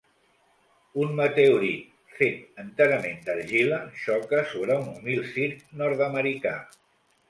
Un meteorit fet enterament d'argila xoca sobre un humil circ nord-americà.